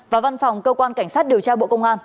và văn phòng cơ quan cảnh sát điều tra bộ công an